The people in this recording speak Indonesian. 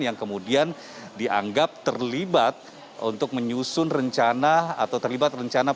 yang kemudian dianggap terlibat untuk menyusun rencana atau terlibat rencana